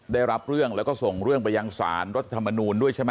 ได้รับเรื่องแล้วก็ส่งเรื่องไปยังสารรัฐธรรมนูลด้วยใช่ไหม